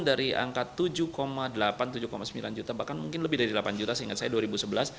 dari angka tujuh delapan tujuh sembilan juta bahkan mungkin lebih dari delapan juta seingat saya dua ribu sebelas